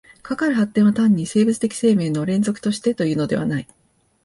かかる発展は単に生物的生命の連続としてというのではない。